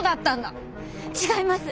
違います。